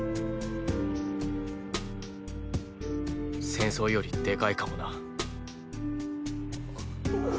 戦争よりデカいかもな。